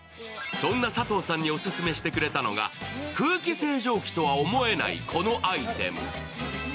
そんな佐藤さんにオススメしてくれたのが空気清浄機とは思えない、このアイテム。